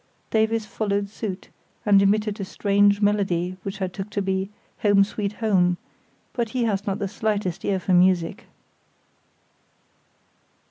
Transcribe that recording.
Davies followed suit, and emitted a strange melody which I took to be "Home, Sweet Home," but he has not the slightest ear for music.